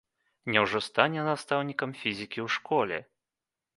Няўжо стане настаўнікам фізікі ў школе?